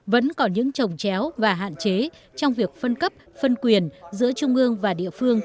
vẫn còn những trồng chéo và hạn chế trong việc phân cấp phân quyền giữa trung ương và địa phương